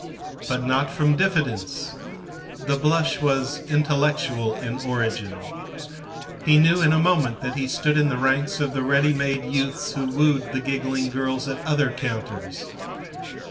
But not from diffidence. The blush was intellectual in origin. He knew in a moment that he stood in the ranks of the ready made youths who wooed the giggling girls at other counters.